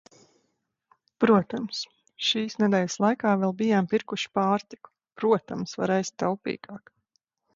Protams, šīs nedēļas laikā vēl bijām pirkuši pārtiku, protams, var ēst taupīgāk.